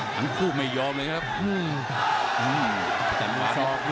ทั้งคู่ไม่ยอมเลยครับ